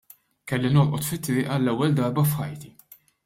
Kelli norqod fit-triq għall-ewwel darba f'ħajti.